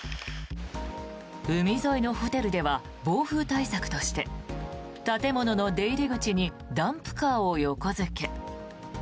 海沿いのホテルでは暴風対策として建物の出入り口にダンプカーを横付け。